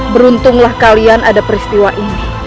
beruntunglah kalian ada peristiwa ini